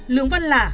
lướng văn lả